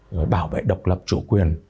rồi bảo vệ độc lập chủ quyền